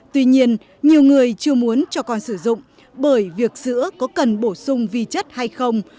tuy nhiên nhiều người chưa muốn cho con sử dụng bởi việc sữa có cần bổ sung vi chất hay không